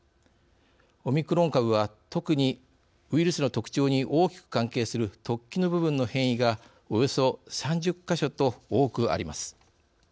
オミクロン株は特にウイルスの特徴に大きく関係する突起の部分の変異がおよそ３０か所と多くあります。